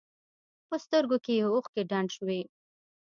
په سترګو کښې يې اوښکې ډنډ وې.